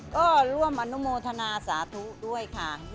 ก็ร่วมอนุโมทนาสาธุด้วยค่ะ